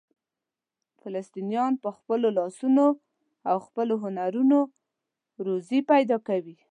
فلسطینیان په خپلو لاسونو او خپلو هنرونو روزي پیدا کوي.